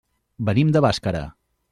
Venim de Bàscara.